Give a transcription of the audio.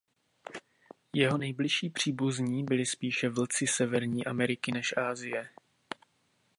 Jeho nejbližší příbuzní byli spíše vlci Severní Ameriky než Asie.